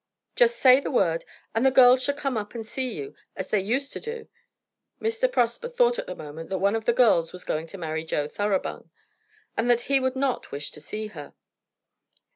"Just say the word, and the girls shall come up and see you as they used to do." Mr. Prosper thought at the moment that one of the girls was going to marry Joe Thoroughbung, and that he would not wish to see her.